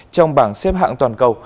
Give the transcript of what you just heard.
trong bảng xếp hạng toàn cầu